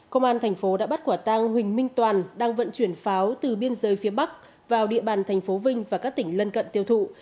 công an tp đã bắt quả tăng huỳnh minh toàn đang vận chuyển pháo từ biên giới phía bắc vào địa bàn tp vinh và các tỉnh lân cận tiêu thụ